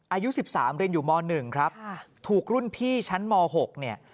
อายุ๑๓เรียนอยู่ม๑ครับถูกรุ่นพี่ชั้นม๖เนี่ย